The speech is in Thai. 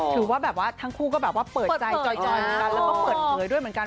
ถือว่าแบบว่าทั้งคู่ก็แบบว่าเปิดใจจอยเหมือนกันแล้วก็เปิดเผยด้วยเหมือนกัน